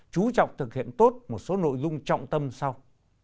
chú trọng thực hiện tốt một số nội dung trọng tâm sau